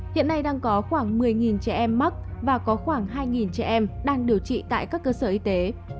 hiện nay đang có khoảng một mươi trẻ em mắc và có khoảng hai trẻ em đang điều trị tại các cơ sở y tế